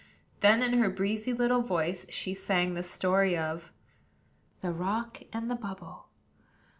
Then, in her breezy little voice, she sang the story of THE ROCK AND THE BUBBLE.